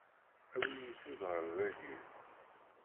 Awit-iyi-t-id ɣer dagi!